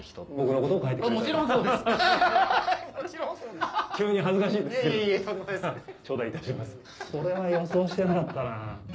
これは予想してなかったな。